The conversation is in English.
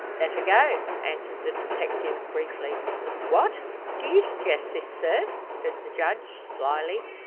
"Let her go," answered the detective, briefly. "What! do you suggest this, sir," said the Judge, slyly.